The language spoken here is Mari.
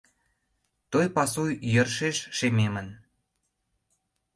Той пасу йӧршеш шемемын.